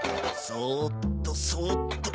そーっとそーっと。